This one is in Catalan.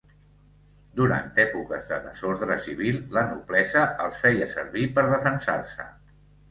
Durant èpoques de desordre civil, la noblesa els feia servir per defensar-se.